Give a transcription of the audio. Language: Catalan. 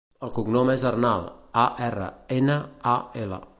El cognom és Arnal: a, erra, ena, a, ela.